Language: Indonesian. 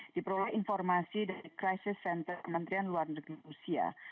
diperoleh informasi dari crisis center kementerian luar negeri rusia